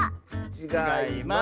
ちがいます。